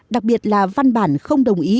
đặc biệt là văn bản không đồng ý